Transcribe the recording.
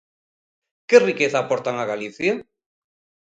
¿Que riqueza aportan a Galicia?